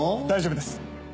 大丈夫です。